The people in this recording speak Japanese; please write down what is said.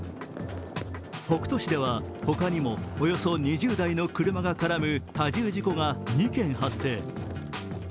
北斗市では他にもおよそ２０台の車が絡む多重事故が２件発生。